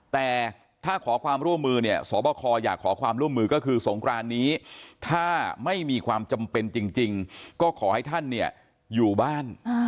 แต่ถ้าขอความร่วมมือเนี่ยสบคอยากขอความร่วมมือก็คือสงครานนี้ถ้าไม่มีความจำเป็นจริงก็ขอให้ท่านเนี่ยอยู่บ้าน